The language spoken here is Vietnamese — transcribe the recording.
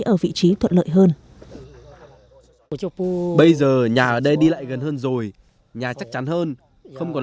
ở vị trí thuận lợi hơn